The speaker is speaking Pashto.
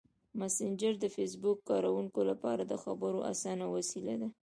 مسېنجر د فېسبوک کاروونکو لپاره د خبرو اسانه وسیله ده.